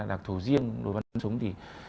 đặc thù riêng đối văn súng thì